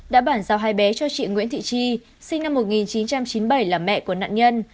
đã bản giao hai bé cho chị nguyễn thị chi sinh năm một nghìn chín trăm chín mươi bảy là mẹ của nạn nhân